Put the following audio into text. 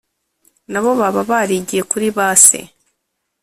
na bo baba barigiye kuri ba se;